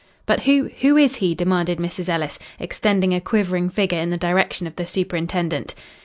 "But who who is he?" demanded Mrs. Ellis, extending a quivering finger in the direction of the superintendent.